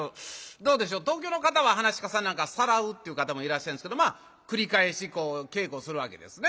どうでしょう東京の方は噺家さんなんかは「さらう」って言う方もいらっしゃるんですけどまあ繰り返しこう稽古するわけですね。